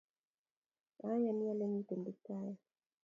Ayani ale mitei Kiptaiyat